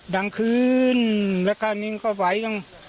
ดังคืนแล้วก็อันนี้มันก็ไหวตรง